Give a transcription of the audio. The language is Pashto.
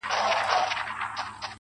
د زړو غمونو یاري، انډيوالي د دردونو.